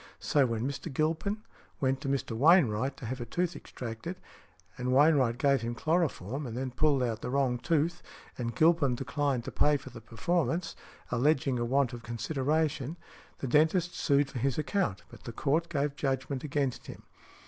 So, when Mr. Gilpin went to Mr. Wainwright to have a tooth extracted, and Wainwright gave him chloroform, and then pulled out the wrong tooth, and Gilpin declined to pay for the performance, alleging a want of consideration, the dentist sued for his account, but the Court gave judgment against him .